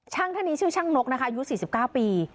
ช่างท่านนี้ชื่อช่างนกนะคะอายุ๔๙ปี